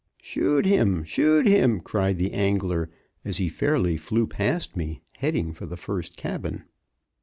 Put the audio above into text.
"Shoot him! Shoot him!" cried the angler, as he fairly flew past me, headed for the first cabin.